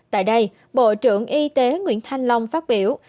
tại đây bộ trưởng y tế nguyễn thanh long phát biểu